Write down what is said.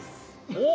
おっ！